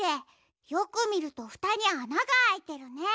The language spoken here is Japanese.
よくみるとふたにあながあいてるね。